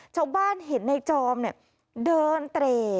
ชาวบ้านเห็นในจอมเดินเตร่